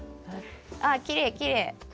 ああきれいきれい！